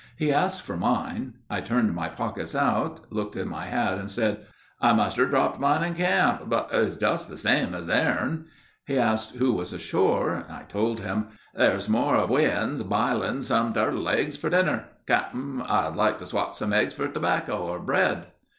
He asked for mine. I turned my pockets out, looked in my hat, and said: "I must er dropped mine in camp, but 'tis just the same as theirn." He asked who was ashore. I told him, "There's more of we uns b'iling some turtle eggs for dinner. Cap'n, I'd like to swap some eggs for tobacco or bread."